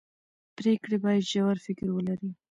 پرېکړې باید ژور فکر ولري